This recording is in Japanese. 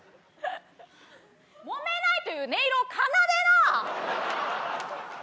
もめないという音色を奏でな！